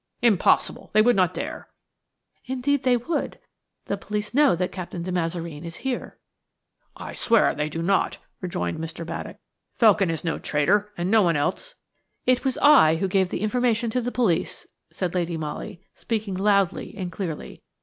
"Impossible! They would not dare!" "Indeed they would. The police know that Captain de Mazareen is here." "I swear they do not," rejoined Mr. Baddock. "Felkin is no traitor, and no one else–" "It was I who gave information to the police," said Lady Molly, speaking loudly and clearly.